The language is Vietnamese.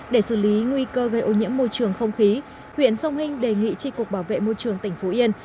để xử lý nguy cơ gây ô nhiễm môi trường không khí huyện sông hinh đề nghị tri cục bảo vệ môi trường tỉnh phú yên